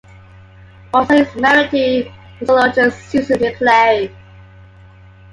Walser is married to musicologist Susan McClary.